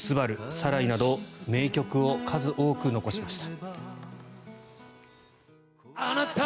「サライ」など名曲を数多く残しました。